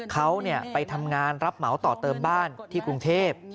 เขาไปทำงานรับเหมาต่อเติมบ้านที่กรุงเทพ